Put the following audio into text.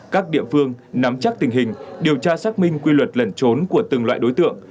các địa phương nắm chắc tình hình điều tra xác minh quy luật lần trốn của từng loại đối tượng